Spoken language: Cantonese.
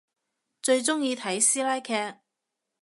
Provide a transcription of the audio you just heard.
最中意睇師奶劇